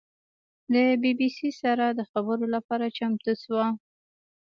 له بي بي سي سره د خبرو لپاره چمتو شوه.